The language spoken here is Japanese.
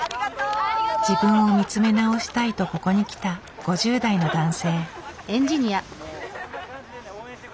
自分を見つめ直したいとここに来た５０代の男性。